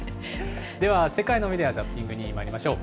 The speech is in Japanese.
では、世界のメディア・ザッピングにまいりましょう。